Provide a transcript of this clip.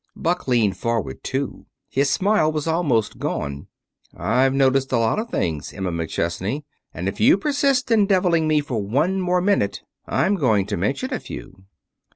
Buck leaned forward, too. His smile was almost gone. "I've noticed a lot of things, Emma McChesney. And if you persist in deviling me for one more minute, I'm going to mention a few."